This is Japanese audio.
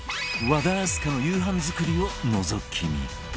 和田明日香の夕飯作りをのぞき見